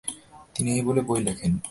তিনি এই বই লেখেন।